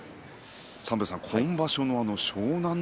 今場所の湘南乃